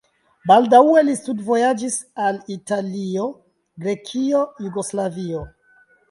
Baldaŭe li studvojaĝis al Italio, Grekio, Jugoslavio.